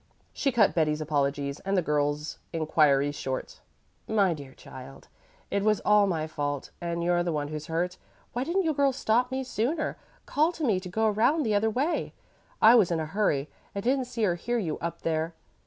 She cut Betty's apologies and the girls' inquiries short. "My dear child, it was all my fault, and you're the one who's hurt. Why didn't you girls stop me sooner call to me to go round the other way? I was in a hurry and didn't see or hear you up there."